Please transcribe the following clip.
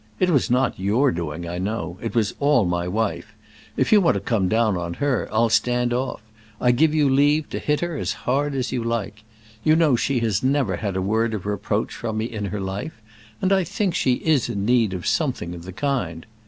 It was not your doing, I know—it was all my wife. If you want to come down on her, I'll stand off; I give you leave to hit her as hard as you like. You know she has never had a word of reproach from me in her life, and I think she is in need of something of the kind.